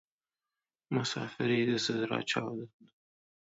مسافري د ﺯړه چاودون ده